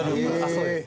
そうです。